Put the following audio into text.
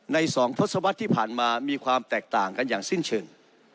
ใน๒ทศวรรษที่ผ่านมามีความแตกต่างกันอย่างสิ้นเชิง